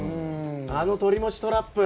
あのとりもちトラップ。